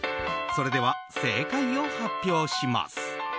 それでは正解を発表します。